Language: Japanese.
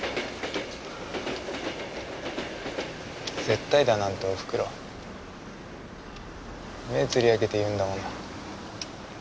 絶対だなんておふくろ目つり上げて言うんだもんな。